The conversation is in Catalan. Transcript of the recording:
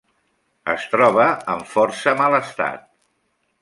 Es troba en força mal estat.